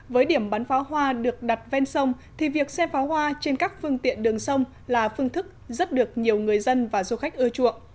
với điểm bắn pháo hoa được đặt ven sông thì việc xe pháo hoa trên các phương tiện đường sông là phương thức rất được nhiều người dân và du khách ưa chuộng